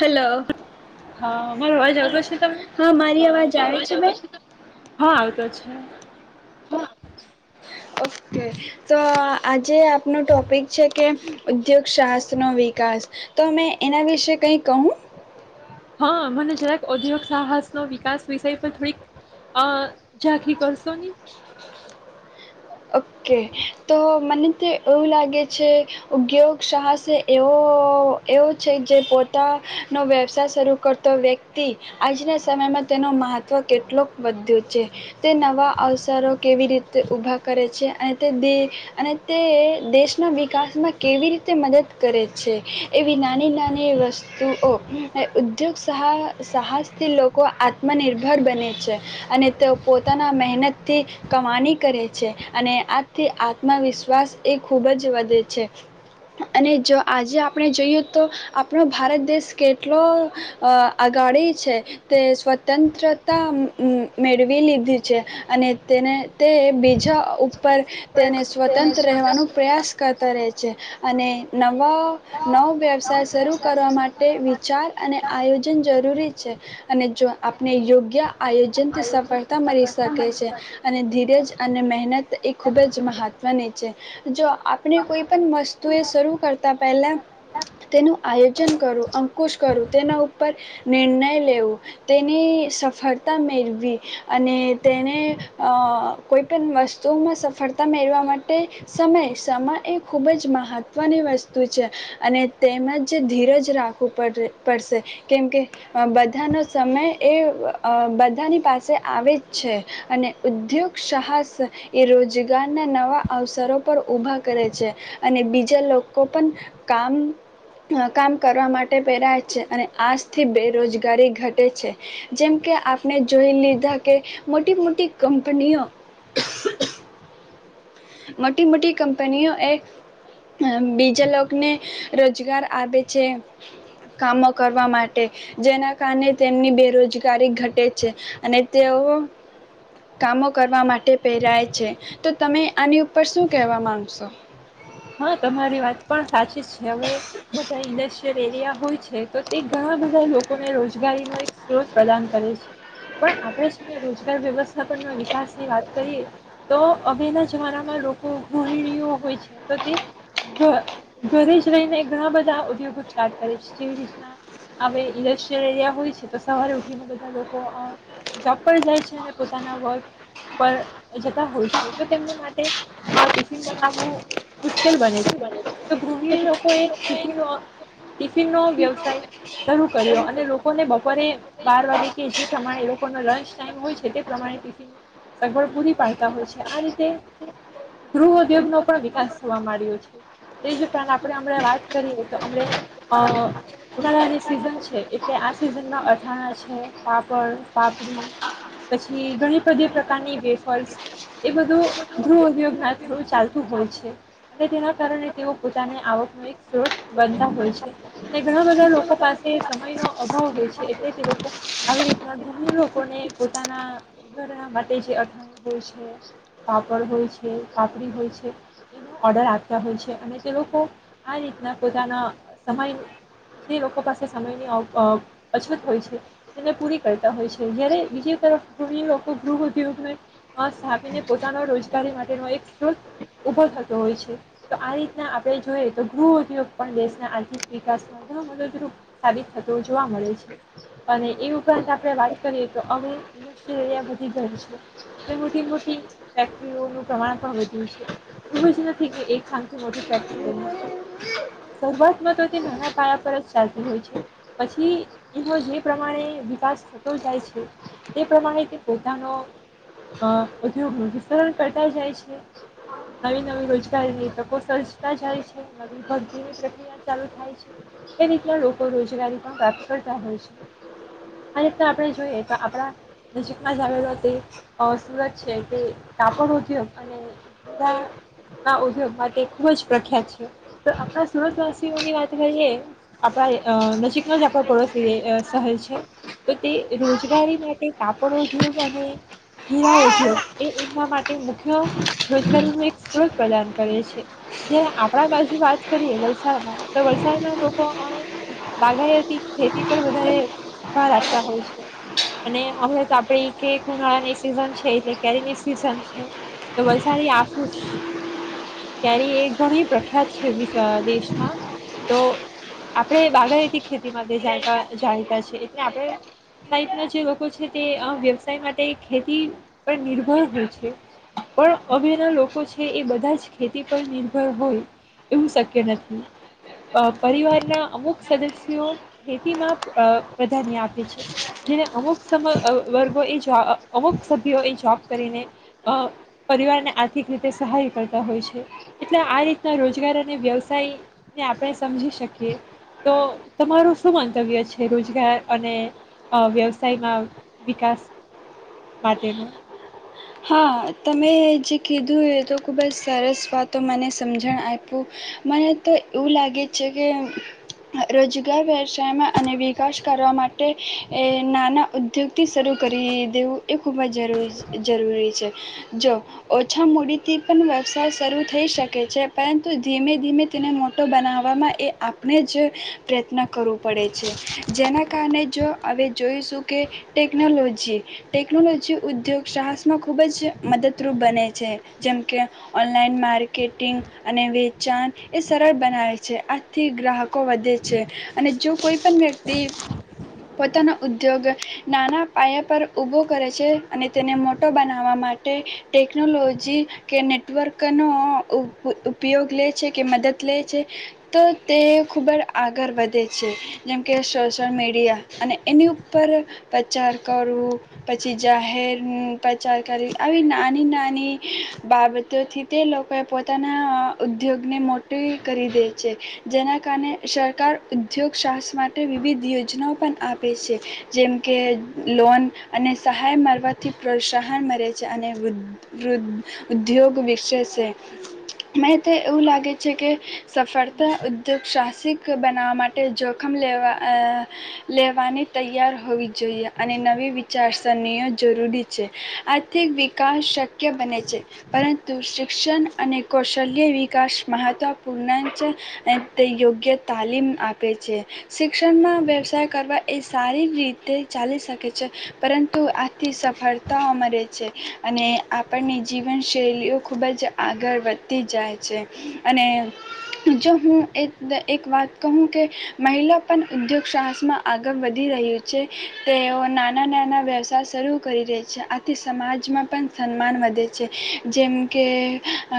Hello હા મારો અવાજ આવતો છે તમને હા મારી અવાજ આવે છે? હા [inaudible] ઓકે તો આજે આપનો ટોપિક છે કે ઉદ્યોગશાસ્ત્ર નો વિકાસ, તો મેં એના વિશે કઈ કહું. હા મને જરાક દ્યોગ સાહસનો વિકાસ વિષય પણ થોડીક અ જાગી કરશો ની. ઓકે, તો મને તો એવું લાગે છે ઉદ્યોગ સાહસે એવો એવો છે જે પોતાનો વ્યવસાય શરૂ કરતો વ્યક્તિ આજના સમયમાં તેનું મહત્ત્વ કેટલોક વધ્યો છે, તે નવા અવસરો કેવી રીતે ઊભા કરે છે અને તે દ અને તે દેશના વિકાસમાં કેવી રીતે મદદ કરે છે. એવી નાની નાની વસ્તુઓ ઉદ્યોગ સહ સાહસથી લોકો આત્મનિર્ભર બને છે અને તેઓ પોતાના મહેનતથી કમાની કરે છે. છે અને આજથી આત્મવિશ્વાસ એ ખૂબ જ વધે છે. અને જો આજે આપણે જોઈએ તો આપણો ભારત દેશ કેટલો અ અગાડી છે તે સ્વતંત્રતા મેળવી લીધી છે અને તેને તે જ ઉપ પર તેને સ્વતંત્ર રહેવાનો પ્રયાસ કરતા રહે છે. અને ન નવ નવો વ્યવસાય શરૂ કરવા માટે વિચાર અને આયોજન જરૂરી છે. અને જો આપને યોગ્ય આયોજનથી સફળતા મળી શકે છે અને ધીરેજ અને મહેનત એ ખૂબ જ મહત્ત્વની છે. જો આપણે કોઈપણ વસ્તુએ શરૂ કરતાં પહેલાં તેનું આયોજન કરું, અંકુશ કરું તેના ઉપર નિર્ણય લેવો. તેની સફળતા મેળવી અને તેને અ કોઈપણ વસ્તુમાં સફળતા મેળવવા માટે સમય સમમા એ ખૂબ જ મહત્ત્વની વસ્તુ છે. અને તેમજ ધીરજ રાખવું પડ પડશે કેમકે બધાનો સમય એ બધાની પાસે આવે જ છે અને ઉદ્યોગ સાહસ એ રોજગારના નવા અવસરો પર ઊભા કરે છે, અને બીજા લોકો પણ કામ કામ કરવા માટે પહેરાય છે, અને આજથી બેરોજગારી ઘટે છે જેમ કે આપણે જોઈ લીધા કે મોટી મોટી કંપનીઓ મોટી મોટી કંપનીઓ એ બીજા લોકને રોજગાર આવે છે. કામો કરવા માટે જેના કારણે તેમની બેરોજગારી ઘટે છે અને તેઓ કામો કરવા માટે પહેરાય છે. તો તમે આની ઉપર શું કહેવા માંગશો? હા તમારી વાત પણ સાચી જ છે, હવે બધા ઇન્ડસ્ટ્રીયલ એરિયા હોય છે તો તે ઘણા બધા લોકોને રોજગારીનો એક સ્ત્રોત પ્રદાન કરે છે. પણ આપણે શું કરવું છે રોજગાર વ્યવસ્થાપન વિકાસની વાત કરીએ તો અવેના જમાનામાં લોકો ગૃહિણીઓ હોય છે તો તે ઘરે જ રહીને ઘણા બધા ઉદ્યોગો સ્ટાર્ટ કરે છે. જેવી રીતના હ ઇન્ડસ્ટ્રીયલ એરિયા હોય છે તો સવારે ઉઠીને બધા લોકો જોબ પર જાય છે અને પોતાના વર્ક પર જતા હોય છે તો તેમને માટે ટિફિન બનાવવું મુશ્કેલ બને છે, તો ગૃહ લોકોએ ટિફિનો ટિફિનનો વ્યવસાય શરૂ કર્યો અને લોકોને બપોરે બાર વાગે કે જે પ્રમાણે લોકોનો લંચ ટાઈમ હોય છે તે પ્રમાણે ટિફિનની સગવડ પૂરી પાડતા હોય છે. આ રીતે ગૃહ ઉદ્યોગનો પણ વિકાસ થવા મળ્યો છે તેજ ઉપંત વાત કરીએ તો ઉનાળાની સિઝન છે એટલે આ સિઝનમાં અથાણા છે પાપડ, પાપડી પછી ઘણી બધી પ્રકારની વેફસ એ બધું ગૃહ ઉગ થડું ચાલતું હોય છે. અને તેના કારણે તેઓ પોતાની આવકનો એક સ્ત્રોત બનતા હોય છે. અને ઘણા બધા લોકો પાસે સમયનો અભાવ હોય છે એટલે તે લોકો આવી રીતના ઘૂણી લોકોને પોતાના ઘરના માટે જે અથાણું હોય છે, પાપડ હોય છે, પાપડી હોય છે એ દુ ઓર્ડર આપતા હોય છે. અને તે લોકો આ રીતના પોતાના સમય જે લોકો પાસે સમયની અવ અછત હોય છે તેને પૂરી કરતા હોય છે. જ્યાંરે બીજી તરફ લોકો ગૃહિ લોકો ગૃહ ઉદ્યોગને સ્થાપીને પોતાના રોજગારી માટેનો એક સ્ત્રોત ઊભો થ હોય, તો આ રીતના આપણે જોઈએ તો ગૃહ ઉદ્યોગ પણ દેશના આર્થિક વિકાસમાં ઘ મદદરૂપ સાબિત થતો જોવા મળે છે, અને એ ઉપરાંત આપણે વાત કરીએ તો હવે ઇન્ડસ્ટ્રીયલ એરિયા બધી ઘ છે મોટી-મોટી ફેક્ટરીઓનું પ્રમાણ પણ વધ્યું છે. એવું જ નથી કે એક સાંગથી મોટી ફેક્ટરી બની જાય. શરૂઆતમાં તો તે નાના પાયા પર જ ચાલતી હોય છે પછી એનો જે પ્રમાણે વિકાસ થતો જાય છે તે પ્રમાણે તે પોતાનો અ ઉદ્યોગનું વિતરણ કરતા જાય છે. નવી નવી રોજગારીની તકો સર્જતા જાય છે. નવી ભરતીની પ્રક્રિયા ચાલુ થાય છે. એ રીતના લોકો રોજગારી પણ પ્રાપ્ત કરતા હોય છે. આ રીતના આપણે જોઈએ તો આપણા નજીકમાં જ આવેલો તે સુરત છે તે કાપડ ઉદ્યોગ અને સારા ના ઉદ્યોગ માટે ખૂબ જ પ્રખ્યાત છે. તો આપણા સુરતવાસીઓની વાત કરીએ આપણા નજીકનો જ આપણા પડોશ શહેર છે તો તે રોજગારી માટે કાપડ ઉદ્યોગ અને હીરા ઉદ્યોગ એ એમના માટે મુખ્ય રોજગારી ન એક સ્ત્રોત પ્રદાન કરેએ છ છે જે આપણા બાજુ વાત કરીએ વલસાડમાં તો વલસાડના લોકો અ બાગાયતી ખેતી પર વધારે ભાર આપતા હોય છે. અને હમણા તો આપણે કે ઉનાળાની સીઝન છે એલે કેરીની સીઝન છે તો આફુસ ક્યારે એ ઘણી પ્રખ્યાત છે દેશમાં તો આપણે બાગાયતી ખેતી માટેતા જાણીતા છે એટલે આપ સાહિતના જે લોકો છે તે વ્યવસાય માટે ખેતી પર નિર્ભર હોય છે. પણ અભ્યના લોકો છે એ બધા જ ખેતી પર નિર્ભર હોય એવું શક્ય નથી. અ પરિવારના અમુક સદસ્યો ખેતીમાં અ પ્રધાન્ય આપે છે જેને અમુક સમ અ વર્ગો એ જો અમુક સભ્યો એ જોબ કરીને અ પરિવારને આર્થિક રીતે સહાય કરતા હોય છે એટલે આ રીતના રોજગાર અને વ્યવસાયને આપણે સમજી શકીએ તો તમારું શું મંતવ્ય છે રોજગાર અને વ્યવસાયમાં વિકાસ માટેનો. હા તમે જે કીધું એય તો ખૂબ જ સરસ વાતો મને સમજણ આપું મને તો એવું લાગે છે કે રોજગાર વ્યવસાયમાં અને વિકાસ કરવા માટે નાના ઉદ્યોગથી શરૂ કરી દેવું એ ખૂબ જ જરૂરી. જરૂરી છે જો ઓછા મૂડીથી પણ વ્યવસાય શરૂ થઈ શકે છે પરંતુ ધીમે ધીમે તેને મોટો બનાવવામાં એ આપણે જ પ્રયત્ન કરવો પડે છે જેના કારણે જો હવે જોઈશું કે ટેકનોલોજી ટેકનોલોજી ઉદ્યોગ સાહસમાં ખૂબ જ મદદરૂપ બને છે જેમ કે ઓનલાઈન માર્કેટિંગ અને વેચાણ એ સરળ બનાવે છે આજથી ગ્રાહકો વધે છે અને જો કોઈ પણણ વ્યક્તિ પોતાનો ઉદ્યોગ નાના પાયા પર ઉભો કરે છે અને તેને મોટો બનાવવા માટે ટેકનોલોજી કે નેટવર્કનો ઉપયોગ લે છે કે મદદ લે છે તો તે ખૂબ જ આગળ વધે છે જેમ કે સોશલ મીડિયા અને એની ઉપર પ્રચાર કરવું પછી જાહેર પ્રચાર કર આવી નાની નાની બાબતોથી તે લોકોએ પોતે પોતાના ઉદ્યોગને મોટી કરી દે છે જેના કારણે સરકાર ઉદ્યોગ સાહસ માટે વિવિધ યોજનાઓ પણ આપે છે જેમ કે લોન અને સહાય મારવત પ્રોત્સાહન મળે છે અને વૃદ વૃદ ઉદ્યોગ વિકસે છે. મં તો એવું લાગે છે કે સફળતા ઉદ્યોગ સાહસિક બનાવવા માટે જોખમ લેવા લેવાની તૈયાર હોવી જોઈએ અને નવી વિચારસરણીઓ જરૂરી છે આર્થિક વિકાસ શક્ય બને છે પરંતુ શિક્ષણ અને કૌશલ્ય વિકાસ મહત્ત્વપૂર્ણ છે તે યોગ્ય તાલીમ આપે છે શિક્ષણમાં વ્યવસાય કરવા એ સારી રીતે ચાલી શકે છે પરંતુ આ થી સફળતા મળે છે અને આપણને જીવન શૈલીઓ ખૂબ જ આગળ વધતી જાય છે અને જો હું એક એક વાત કહું કે મહિલા પણ ઉદ્યોગ સાહસમાં આગળ વધી રહ્યું છે તેઓ નાના નાના વ્યવસાય શરૂ કરી દે છે આથી સમાજમાં પણ સમાન વધે છે. જેમ કે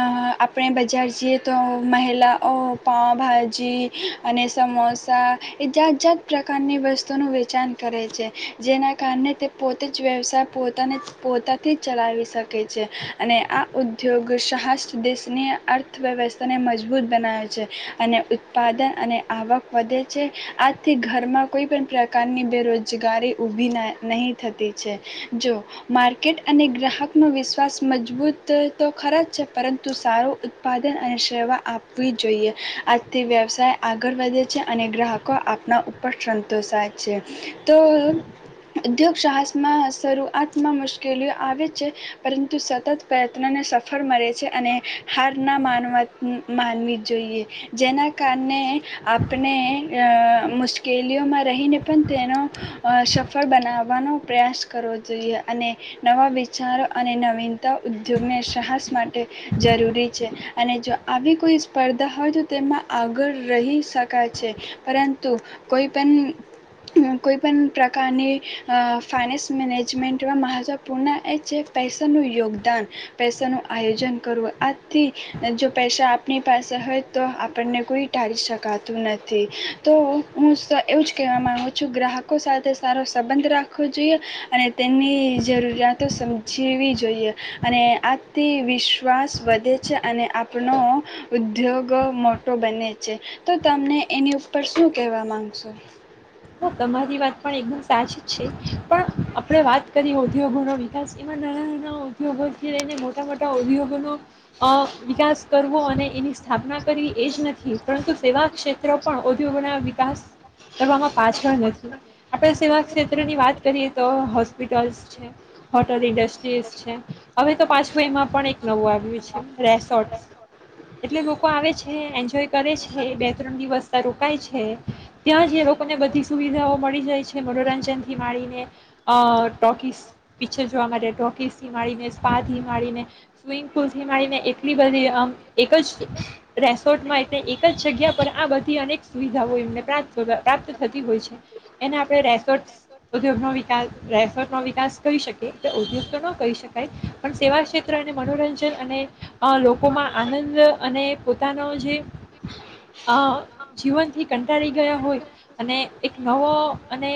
આપણે બજાર જઈએ તો મહિલાઓ પાઉભાજી અને સમોસા એ જાત જાાત પ્રકારની વસ્તુનું વેચાણ કરે છે જેના કારણે તે પોતે જ વ્યવસાય પોતાને પોતાથી ચલાવી શકે છે અને આ ઉદ્યોગ સહસ્ દેશની અર્થવ્યવસ્થાને મજબૂત બનાવે છે અને ઉત્પાદન અને આવક વધે છે આજથી ઘરમાં કોઈ પણ પ્રકારની બેરોજગારી ઊભી નહીં જો માર્કેટ અને ગ્રાહક નો વિશ્વાસ મજબૂત તો ખરા છે પરંતુ સારું ઉત્પાદન અને સેવા આપવી જોઈએ આજથી વ્યવસાય આગળ વધે છે અને ગ્રાહકો આપના ઉપર સંતોષાય છે તો ઉ સાહસમાં શરૂઆતમાં મુશ્કેલીઓ આવે છે પરંતુ સતત પ્રયત્નને સફળ મળે છે અને હાર ના માનવા માનવી જોઈએ જેના કારણે આપણે મુશ્કેલીઓમાં રહીને પણ તેનો સફળ બનાવ નો પ્રયાસ કરવો જોઈએ અને નવા વિચારો અને નવીનતા ઉદ્યોગને સાહસ માટે જરૂરી છે અને જો આવી કોઈ સ્પર્ધા હોય તો તેમાં આગળ રહી શકાય છે પરંતુ કોઈ પણ કોઈ પણ પ્રકારની ફાાયનાન્સ મેનેજમેન્ટમાં મહત્ત્વપૂર્ણ એ છે પૈસાનું યોગદાન પૈસાનું આયોજન કરવું આથી જો પૈસા આપણી પાસે હોય તો આપણને કોઈ ટાળી શકાતું નથી તો હું એવું જ કહેવા માગું છું ગ્રાહકો સાથે સારો સંબંધ રાખ રાખવો જોઈએ અને તેની જરૂરિયાતો સમજ જીવવી જોઈએ અને આથી વિશ્વાસ વધે છે અને આપનો ઉદ્યોગ મોટો બને છે તો તમને એની ઉપર શું કહેવા માગશો. હા તમારી વાત પણ એકદમ સાચી જ છે પણ આપણે વાત કરીએ ઉદ્યોગોનો વિકાસ એમાં નાના નાના ઉદ્યોગોથી લઈને મોટા મોટા ઉદ્યોગોનો વિકાસ કરવો અને એની સ્થાપના કરવી એજ નથી પરંતુ સેવા ક્ષેત્ર પણ ઉદ્યોગોના વિકાસ કરવામાં. પાંચ આપણે સેવા ક્ષેત્રની વાત કરીએ તો હોપિટસ છે હોટલ ઇન્ડસ્ટ્રીઝ છે હવે તો પાછું એમાં પણ એક નવું આવ્યું છે રેસોર્ટ એટલે લોકો આવે છે એન્જોય કરે છે બે ત્રણ દિવસ ત રોકાય છે ત્યાં જે લોકો લોકોને બધી સુવિધાઓ મળી જાય છે મનોરંજન થી માીને અ ટોકીસ પિક્ચર જોવા માટે ટોકીસ થી માીને સ્પાથી માીને સ્વિમિંગ પુલ થી માીને એટલી બધી આમ એક જ રેસોર્ટમાં એટલે એક જ જગ્યા પર આ બધી અનેક સુવિધાઓ એમને પ્રાપ્ત થતી હોય છે એને આપણે રેસોર્ટ ઉદ્યોગનો વિકાસ રેસોર્ટ ન વિકાસ કહી શકીએ ઉદ્યોગ તો ન કહી શકાય પણ સેવા ક્ષેત્ર અને મનોરંજન અને લોકોમાં આનંદ અને પોતાનો જે અ જીવનથી કંટાળી ગયા હોય. અને એક નવો અને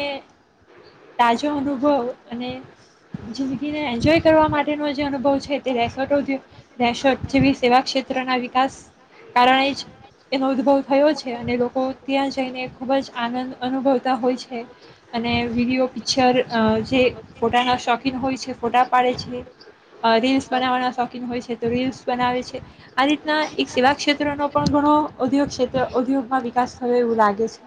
તાજો અનુભવ અને જિંદગીને એન્જોય કરવા માટેનો જે અનુભવ છે તે રેસટ રેસોટ જેવી સેવા ક્ષેત્રના વિકાસ કારણે જ એનો ઉદુભવ થયો છે અને લોકો ત્યાં જઈને ખૂબ જ આનંદ અનુભવતા હોય છે અને વિડીયો પિક્ચર અ જે ફોટાના શોખીન હોય છે, ફોટા પાડે છે, અ રીલ્સ બનાવવાના શોખીન હોય છે, તો રીલ્સ બનાવે છે, આ રીતના એક સેવા ક્ષેત્રનો પણ ઘણો ઉધ્યોગ ક્ષેત્ર ઉદ્યોગમાં વિકાસ થયો એવું લાગે છે.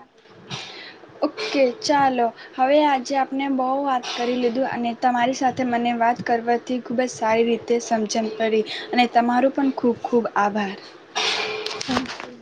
ઓકે ચાલો હવે આજે આપણે બહુ વાત કરી લીધું અને તમારી સાથે મને વાત કરવાથી ખૂબ જ સારી રીતે સમજણ પડી અને તમારો પણ ખૂબ ખૂબ આભાર. Thank you.